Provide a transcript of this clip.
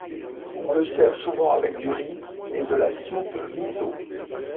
On le sert souvent avec du riz et de la soupe miso.